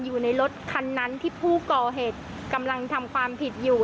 อยู่ในรถคันนั้นที่ผู้ก่อเหตุกำลังทำความผิดอยู่